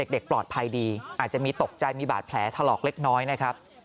เด็กปลอดภัยดีอาจจะมีตกใจมีบาดแผลถลอกเล็กน้อยนะครับ